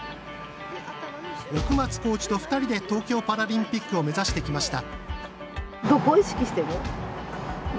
奥松コーチと２人で東京パラリンピックを目指してきました。